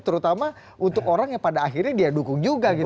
terutama untuk orang yang pada akhirnya dia dukung juga gitu